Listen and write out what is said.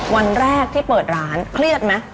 วันแรกที่เปิดร้านเครียดไหม